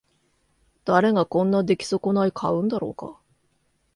誰がこんな出来損ない買うんだろうか